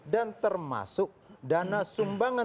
dan termasuk dana sumbangan